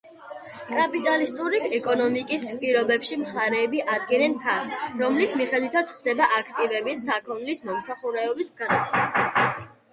კაპიტალისტური ეკონომიკის პირობებში მხარეები ადგენენ ფასს, რომლის მიხედვითაც ხდება აქტივების, საქონლის, მომსახურების გადაცვლა.